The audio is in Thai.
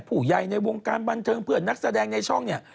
ผู้ใหญ่ในวงการบันเทิงเพื่อนนักแสดงในช่องเนี่ย